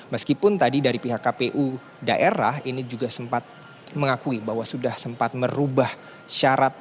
meskipun tadi dari pihak kpu daerah ini juga sempat mengakui bahwa sudah sempat merubah syarat